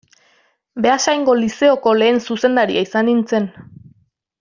Beasaingo Lizeoko lehen zuzendaria izan nintzen.